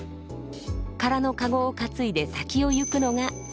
空の駕籠を担いで先を行くのが先棒。